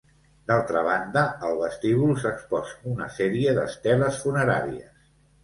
D'altra banda, al vestíbul s'exposa una sèrie d'esteles funeràries.